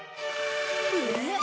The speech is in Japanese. えっ？